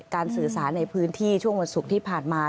สื่อสารในพื้นที่ช่วงวันศุกร์ที่ผ่านมา